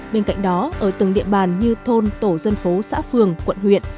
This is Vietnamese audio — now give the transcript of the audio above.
bên cạnh đó ở từng địa bàn như thôn tổ dân phố xã phường quận huyện